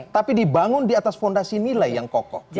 tapi dibangun di atas fondasi nilai yang kokoh